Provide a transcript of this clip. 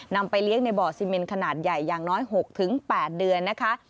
ไปเลี้ยงในบ่อซีเมนขนาดใหญ่อย่างน้อย๖๘เดือนนะคะ